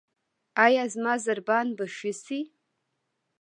ایا زما ضربان به ښه شي؟